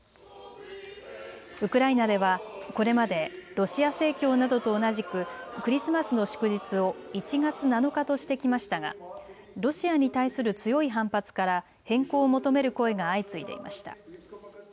ウクライナではこれまでロシア正教などと同じくクリスマスの祝日を１月７日としてきましたがロシアに対する強い反発から変更を求める声が相次いでいました。